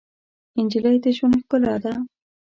نجلۍ د ژوند ښکلا ده.